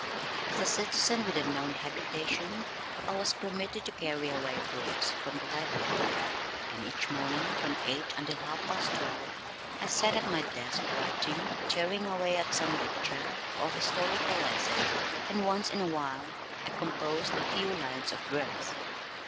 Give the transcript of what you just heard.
As a citizen with a known habitation I was permitted to carry away books from the library, and each morning from eight until half past twelve I sat at my desk writing, tearing away at some lecture, or historical essay, and once in a while I composed a few lines of verse.